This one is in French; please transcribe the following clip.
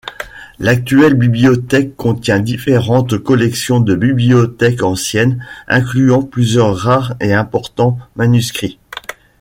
L'actuelle bibliothèque contient différentes collections de bibliothèques anciennes incluant plusieurs rares et importants manuscrits.